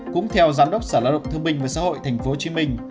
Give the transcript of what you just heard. cũng theo giám đốc sở lao động thương minh và xã hội tp hcm